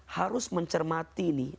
harus mencermati nih